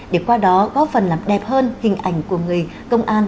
để qua đó góp phần làm đẹp hơn hình ảnh của người công an